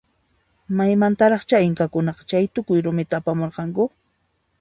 Maymantaraqcha inkakunaqa chaytukuy rumita apamuranku?